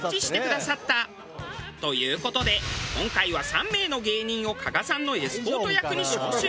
という事で今回は３名の芸人を加賀さんのエスコート役に招集。